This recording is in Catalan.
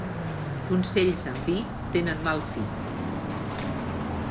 Consells amb vi tenen mal fi.